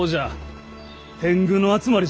天狗の集まりじゃ。